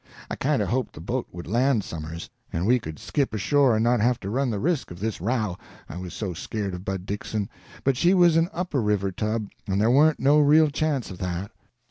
I kind of hoped the boat would land somers, and we could skip ashore and not have to run the risk of this row, I was so scared of Bud Dixon, but she was an upper river tub and there warn't no real chance of that.